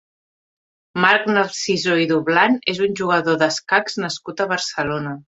Marc Narciso i Dublan és un jugador d'escacs nascut a Barcelona.